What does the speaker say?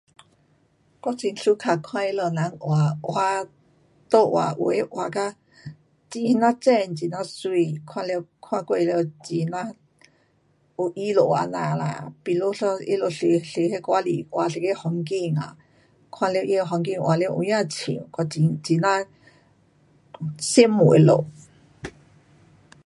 我很 suka 看他们人画看图画，有的画到很呐真，很呐美，看了，看过了很呐有意思这样啦。比如说他们坐，坐那外里画一个风景啊，看了它的风景画了很呐像，看了很呐羡慕他们。